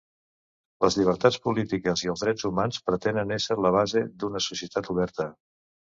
Les llibertats polítiques i els drets humans pretenen esser la base d'una societat oberta.